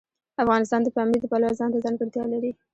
افغانستان د پامیر د پلوه ځانته ځانګړتیا لري.